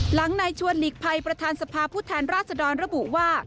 หลังนายชวนหลีกภัยประธานสภาพผู้แทนราชดรระบุว่า